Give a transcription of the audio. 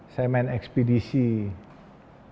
saya mem series jalan jalan